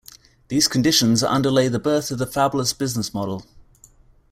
These conditions underlay the birth of the fabless business model.